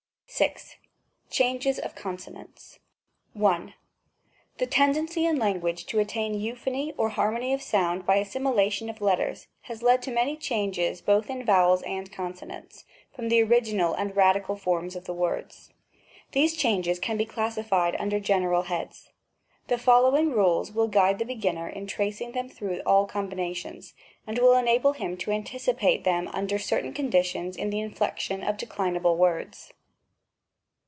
§6. Changes of Consokants. 1. The tendency in language to attain euphony or harmony of sound by assimilation of letters has led to many changes both in vowels and consonants, from the original and radical forms of the words. These changes can be classified under general heads. The following rules will guide the beginner in tracing them through all combinations, and will enable him to anticipate them under certain conditions in the inflection of de clinable words.